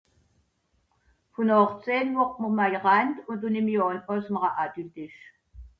18 johr